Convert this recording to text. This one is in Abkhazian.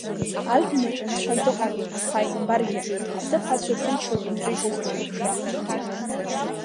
Ажәҩанаҿ Нцәа дыҟам, ԥааимбаргьы, Аҭыԥҳацәа ҭынчроуп инрыжьыз рқәыԥшра ахҭынҵаны.